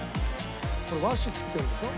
これ和紙切ってるんでしょ？